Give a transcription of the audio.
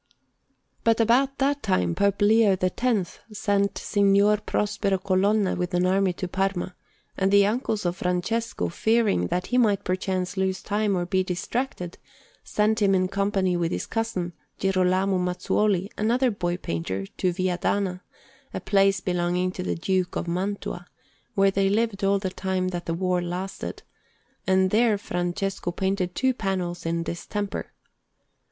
But about that time Pope Leo X sent Signor Prospero Colonna with an army to Parma, and the uncles of Francesco, fearing that he might perchance lose time or be distracted, sent him in company with his cousin, Girolamo Mazzuoli, another boy painter, to Viadana, a place belonging to the Duke of Mantua, where they lived all the time that the war lasted; and there Francesco painted two panels in distemper.